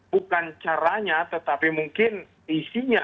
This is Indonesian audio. bukan caranya tetapi mungkin isinya